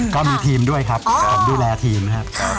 ก็มีทีมด้วยครับผมดูแลทีมนะครับ